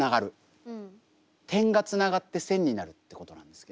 点がつながって線になるってことなんですけど。